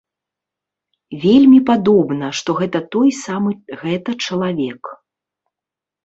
Вельмі падобна, што гэта той самы гэта чалавек.